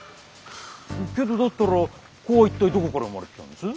けどだったら子は一体どこから生まれてきたんです？